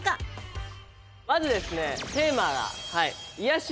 まずですね。